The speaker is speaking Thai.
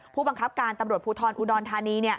ผู้บังคับการตำรวจภูทรอุดรธานี